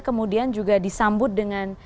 kemudian juga disambut dengan